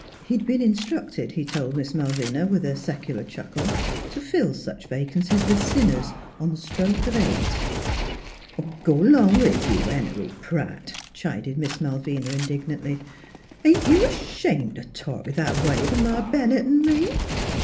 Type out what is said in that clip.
He had been instructed, he told Miss Malvina, with a secular chuckle, to fill such vacancies with sinners, on the stroke of eight. "Go 'long with you, Henery Pratt!" chided Miss Malvina indignantly. " Ain't you 'shamed t' talk that a way t' Ma Bennett an' me? ..